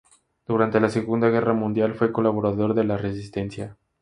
Durante la Segunda Guerra Mundial, fue colaborador de la Resistencia.